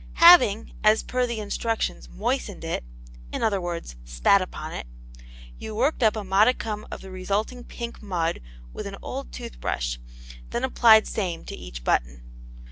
Having as per the instructions "moistened" it, in other words, spat upon it, you worked up a modicum of the resulting pink mud with an old toothbrush, then applied same to each button.